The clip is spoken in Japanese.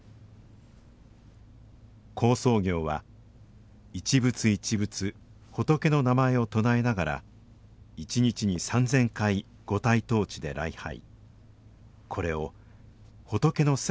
好相行は一仏一仏仏の名前を唱えながら１日に３０００回五体投地で礼拝。